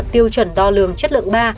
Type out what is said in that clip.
tiêu chuẩn đo lường chất lượng ba